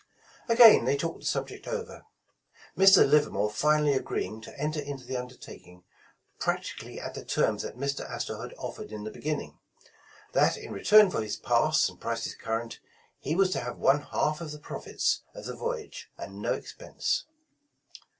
Again they talked the subject over, Mr. Livermore finally agreeing to enter into the undertaking, practi 132 The East India Pass cally at the terms that Mr. Astor had offered in the beginning, — that in return for his Pass and Prices Cur rent, he was to have one half of the profits of the voy age, and no expense.